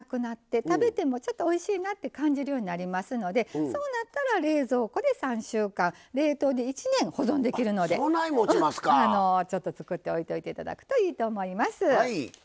こうするとお塩のきつい感じがなくなって食べてもちょっとおいしいなって感じるようになりますのでそうなった冷蔵庫で３週間冷凍で１年保存できますのでちょっと作って置いといていただくといいと思います。